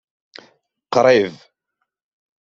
Qrib.